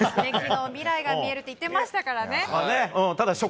未来が見えると言ってましたから。